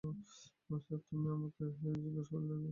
তুমি আমাকে শুধু ছবিগুলো দেখালেই পারতে।